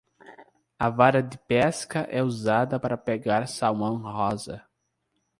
A vara de pesca é usada para pegar salmão rosa.